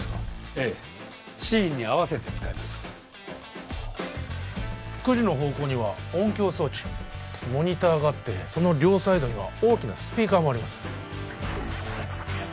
ええシーンに合わせて使いますは９時の方向には音響装置モニターがあってその両サイドには大きなスピーカーもあります